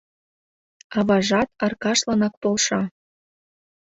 Аважат Аркашланак полша: